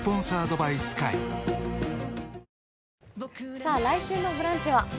さあ来週の「ブランチ」は？